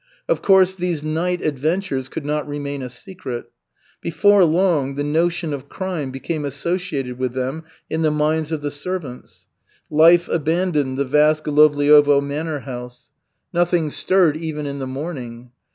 Of course, these night adventures could not remain a secret. Before long the notion of crime became associated with them in the minds of the servants. Life abandoned the vast Golovliovo manor house. Nothing stirred even in the morning.